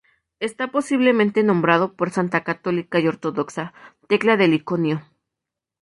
Está posiblemente nombrado por santa católica y ortodoxa Tecla de Iconio.